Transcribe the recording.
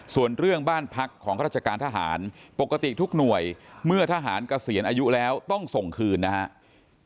ส่วนเรื่องบ้านพักของข้าราชการทหารปกติทุกหน่วยเมื่อทหารเกษียณอายุแล้วต้องส่งคืนนะครับ